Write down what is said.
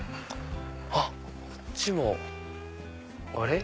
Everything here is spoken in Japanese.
あっこっちもあれ？